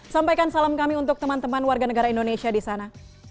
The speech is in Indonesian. sampaikan salam kami untuk teman teman warga negara indonesia di sana